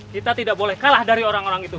kita tidak boleh kalah dari orang orang itu